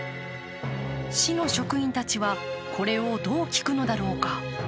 市の職員たちは、これをどう聞くのだろうか。